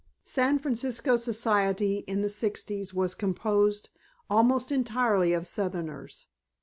San Francisco Society in the Sixties was composed almost entirely of Southerners.